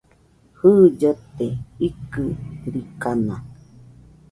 Jɨ, llote ikɨrikana